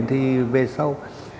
thì về sau